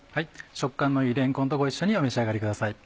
食感のいいれんこんと一緒にお召し上がりください。